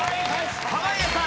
濱家さん